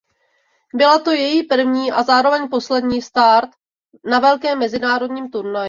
Byla to její první a zároveň poslední start na velkém mezinárodním turnaji.